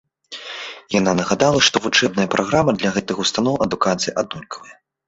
Яна нагадала, што вучэбная праграма для гэтых устаноў адукацыі аднолькавая.